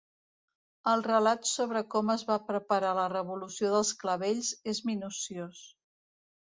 El relat sobre com es va preparar la revolució dels clavells és minuciós.